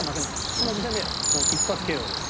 その時点で一発ＫＯです。